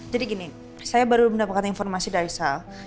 jadi gini saya baru mendapatkan informasi dari sal